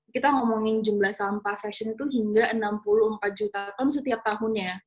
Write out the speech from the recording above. kita ngomongin jumlah sampah fashion itu hingga enam puluh empat juta ton setiap tahunnya